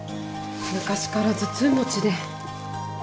昔から頭痛持ちで。